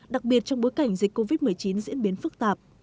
đặc biệt trong bối cảnh dịch covid một mươi chín diễn biến phức tạp